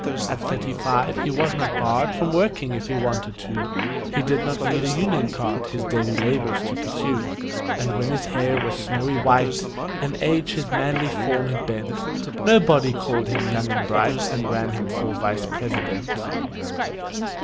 At thirty five he was not barred From working if he wanted to; He did not need a union card His daily labors to pursue; And when his hair was snowy white And age his manly form had bent, Nobody called him young and bright And ran him for vice president.